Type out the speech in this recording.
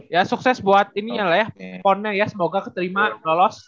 ya sukses buat ini ya lah ya ponnya ya semoga ketelima lolos